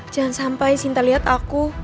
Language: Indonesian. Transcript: jangan sampai sinta lihat aku